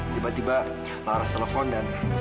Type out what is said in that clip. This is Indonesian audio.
tiba tiba laras telepon dan